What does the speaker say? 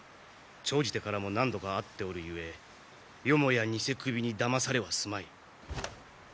長じてからも何度か会っておるゆえよもや偽首にだまされはすまい。